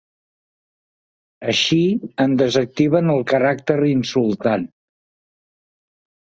Així en desactiven el caràcter insultant.